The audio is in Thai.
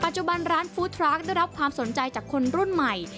จุบันร้านฟู้ดทรากได้รับความสนใจจากคนรุ่นใหม่